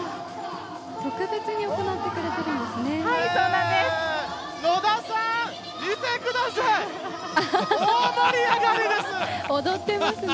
特別に行ってくれてるんですね。